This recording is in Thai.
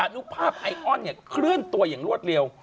นุภาพไออนเคลื่อนตัวอย่างรวดเร็ว